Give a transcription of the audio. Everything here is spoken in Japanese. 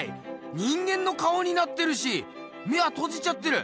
人間の顔になってるし眼はとじちゃってる。